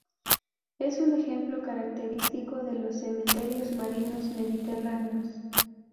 Es un ejemplo característico de los cementerios marinos mediterráneos.